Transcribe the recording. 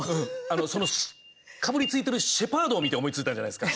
その、かぶりついているシェパードを見て思いついたんじゃないですか。